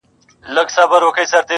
• اخره زمانه سوه د چرګانو یارانه سوه -